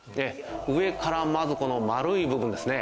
上からまずこの丸い部分ですね